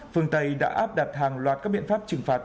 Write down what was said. phương tây đã áp đặt hàng loạt các biện pháp trừng phạt